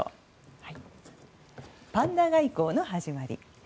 パンダ外交の始まり。